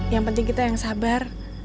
yang penting kita yang sabar